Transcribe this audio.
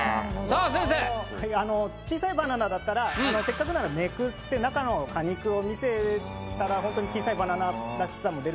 あの小さいバナナだったらせっかくならめくって中の果肉を見せたらほんとに小さいバナナらしさも出るかなという。